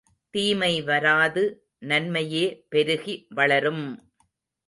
தீமை வராது நன்மையே பெருகி வளரும்!